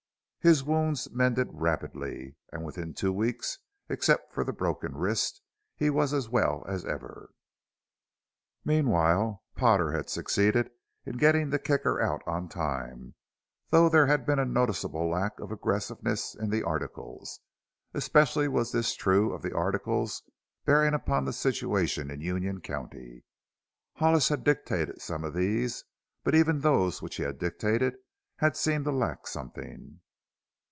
His wounds mended rapidly, and within two weeks except for the broken wrist he was well as ever. Meanwhile Potter had succeeded in getting the Kicker out on time, though there had been a noticeable lack of aggressiveness in the articles. Especially was this true of the articles bearing upon the situation in Union County. Hollis had dictated some of these, but even those which he had dictated had seemed to lack something.